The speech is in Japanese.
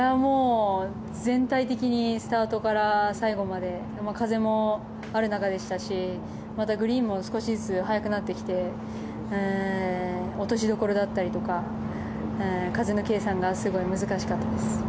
全体的にスタートから最後まで風もある中でしたしまた、グリーンも少しずつ速くなってきて落としどころだったりとか風の計算がすごく難しかったです。